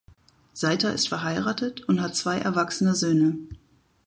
Seiter ist verheiratet und hat zwei erwachsene Söhne.